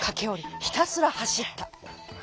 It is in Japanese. ひたすらはしった。